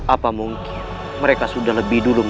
apa mungkin mereka sudah lebih dulu